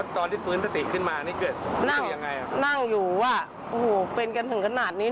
ที่นั่งอยู่ว่ะอู้๊ปเป็นกันถึงขนาดนี้